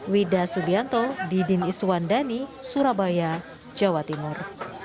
wida subianto didin iswandani surabaya jawa timur